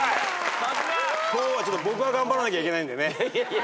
さすが！今日はちょっと僕が頑張らなきゃいけないんでね。